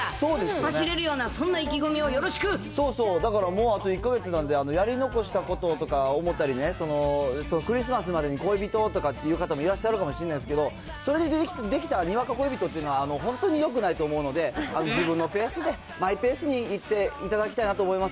突っ走れるようなそんな意気そうそう、だからもうあと１か月なんで、やり残したこととか、思ったりね、クリスマスまでに恋人をとかっていう方もいらっしゃるかもしれないですけど、それ、できたらにわか恋人っていうのは本当によくないと思うので、自分のペースで、マイペースにいっていただきたいなと思います。